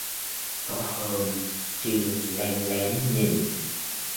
Có hôm Trinh len lén nhìn